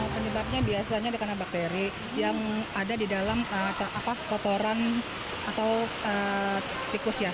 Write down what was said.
penyebabnya biasanya karena bakteri yang ada di dalam kotoran atau tikus ya